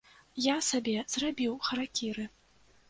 Я сабе зрабіў харакіры.